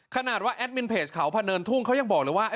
ขนาดว่าแอดมินเพจเขาพะเนินทุ่งเขายังบอกเลยว่า